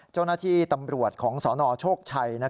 เจ้าหน้าที่ตำรวจของสนโชคชัย